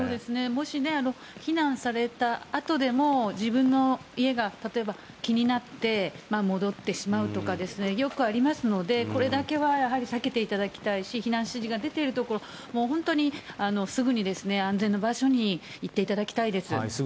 もしね、避難されたあとでも、自分の家が、例えば気になって戻ってしまうとかよくありますので、これだけはやはり避けていただきたいし、避難指示が出ている所、本当にすぐに安全な場所に行っていただきたいです。